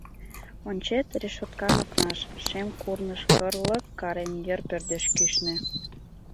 Ончет решоткан окнаш: Шем курныж, кыр-лык Карен, йыр пӧрдеш кӱшнӧ.